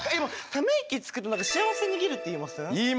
ため息つくと何か幸せ逃げるって言いません？